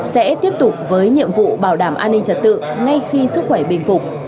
sẽ tiếp tục với nhiệm vụ bảo đảm an ninh trật tự ngay khi sức khỏe bình phục